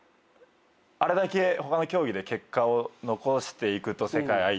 あれだけ他の競技で結果を残していくと世界相手に。